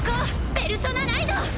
ペルソナライド！